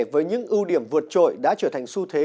với những ưu điểm vượt trội đã trở thành xu thế